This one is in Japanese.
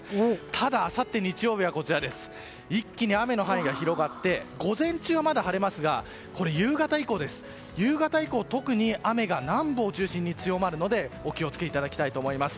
ただ、あさって日曜日は一気に雨の範囲が広がって午前中はまだ晴れますが夕方以降、特に雨が南部を中心に強まるのでお気を付けいただきたいと思います。